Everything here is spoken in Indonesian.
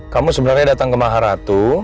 kamu sebenarnya datang ke maharatu